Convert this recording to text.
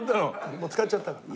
もう使っちゃったから。